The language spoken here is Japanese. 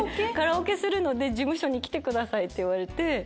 カラオケするので事務所に来てくださいって言われて。